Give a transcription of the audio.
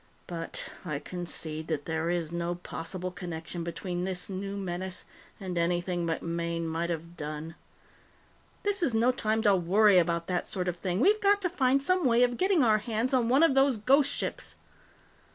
But I concede that there is no possible connection between this new menace and anything MacMaine might have done. "This is no time to worry about that sort of thing; we've got to find some way of getting our hands on one of those ghost ships!"